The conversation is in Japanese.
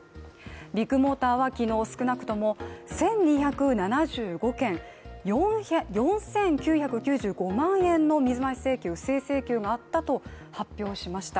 ビッグモーターは昨日少なくとも１２７５件４９９５万円の水増し請求、不正請求があったと発表しました。